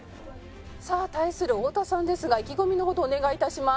さあ対する太田さんですが意気込みのほどお願い致します。